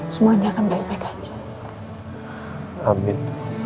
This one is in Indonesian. semuanya akan baik baik aja